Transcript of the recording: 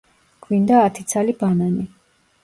გვინდა ათი ცალი ბანანი.